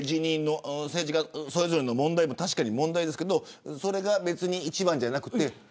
政治家、それぞれの問題も確かに問題ですけどそれが一番じゃなくて。